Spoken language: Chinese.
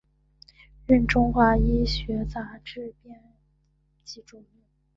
任中华医学杂志编辑主任。